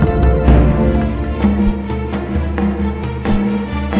jangan lupa joko tingkir